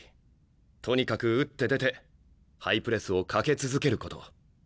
とにかく打って出てハイプレスをかけ続けること。